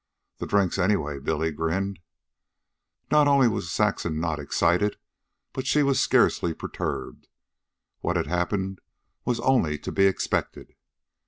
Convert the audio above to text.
"The drinks, anyway," Billy grinned. Not only was Saxon not excited, but she was scarcely perturbed. What had happened was only to be expected.